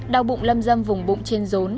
đau bụng lâm dâm vùng bụng trên rốn